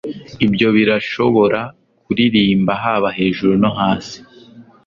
Ibyo birashobora kuririmba haba hejuru no hasi